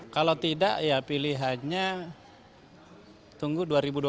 kalau tidak ya pilihannya tunggu dua ribu dua puluh